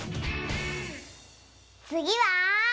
つぎは。